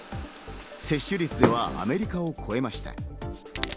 接種率ではアメリカを超えました。